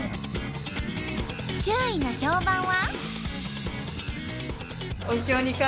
周囲の評判は？